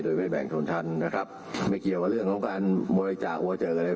โดยไม่แบ่งส่วนทันนะครับไม่เกี่ยวกับเรื่องของการมวยจากหัวเจอกัน